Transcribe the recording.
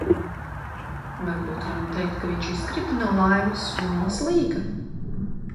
Varbūt varam teikt, ka viņš izkrita no laivas un noslīka?